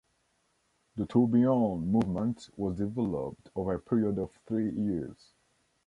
The Tourbillon movement was developed over a period of three years.